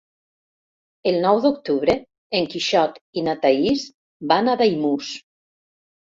El nou d'octubre en Quixot i na Thaís van a Daimús.